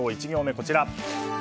１行目、こちら。